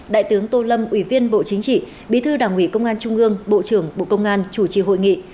đại tướng tô lâm ủy viên bộ chính trị bí thư đảng ủy công an trung ương bộ trưởng bộ công an chủ trì hội nghị